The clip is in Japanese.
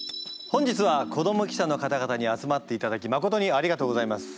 本日は子ども記者の方々に集まっていただきまことにありがとうございます。